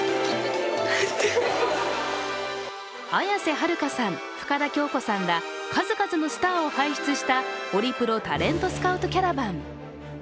綾瀬はるかさん、深田恭子さんら数々のスターを輩出したホリプロタレントスカウトキャラバン。